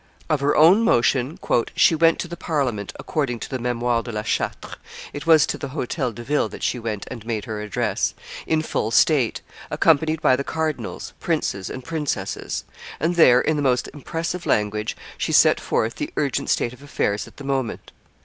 Of her own motion "she went to the Parliament (according to the Memoires de la Chatre it was to the Hotel de Ville that she went and made her address) in full state, accompanied by the cardinals, princes, and princesses; and there, in the most impressive language, she set forth the urgent state of affairs at the moment.